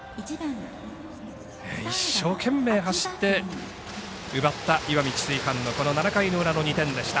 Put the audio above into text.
一生懸命、走って奪った石見智翠館の７回の裏の２点でした。